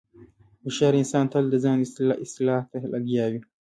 هوښیار انسان تل د ځان اصلاح ته لګیا وي.